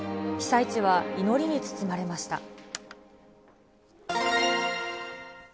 被災地は祈りに包まれました。